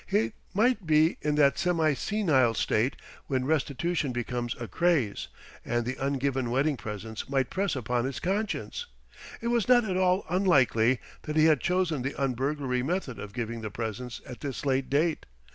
He might be in that semi senile state when restitution becomes a craze, and the ungiven wedding presents might press upon his conscience. It was not at all unlikely that he had chosen the un burglary method of giving the presents at this late date.